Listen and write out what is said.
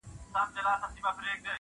د زړه له درده شاعري کومه ښه کوومه,